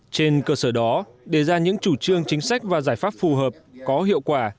trên cơ sở đó đề ra những chủ trương chính sách và giải pháp phù hợp có hiệu quả